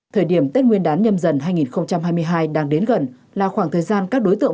thời điểm tết nguyên đán nhâm dần hai nghìn hai mươi hai đang đến gần là khoảng thời gian các đối tượng